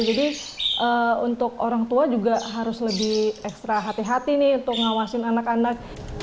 jadi untuk orang tua juga harus lebih ekstra hati hati nih untuk ngawasin anak anak